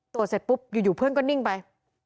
ตรวจเสร็จปุ๊บอยู่เพื่อนก็นิ่งไป